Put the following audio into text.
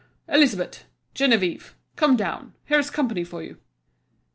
"Elizabeth, Geneviève, come down; here's company for you!"